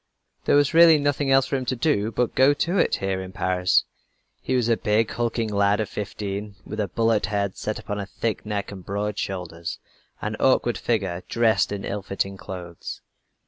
There was really nothing else for him to do but to "go to it" here in Paris. He was a big, hulking lad of fifteen, with a bullet head set upon a thick neck and broad shoulders an awkward figure dressed in ill fitting clothes.